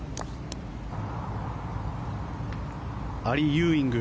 アリー・ユーイング。